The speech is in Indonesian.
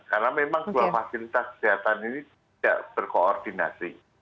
karena memang dua fasilitas kesehatan ini tidak berkoordinasi